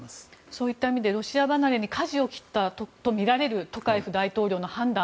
そういった意味でロシア離れにかじを切ったとみられるトカエフ大統領の判断